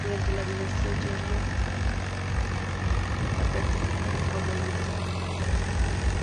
Durante la Dinastía Goryeo, la práctica fue abolida.